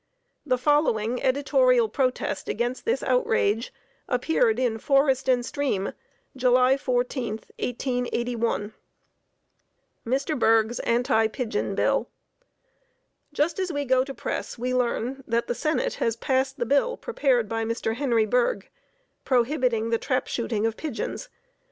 The following editorial protest against this outrage appeared in Forest and Stream, July 14, 1881: Mr. Bergh's Anti Pigeon Bill. Just as we go to press we learn that the Senate has passed the bill prepared by Mr. Henry Bergh prohibiting the trap shooting of pigeons.